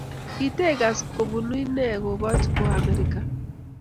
kiti igas kobunu inen koboch kowo Amerika?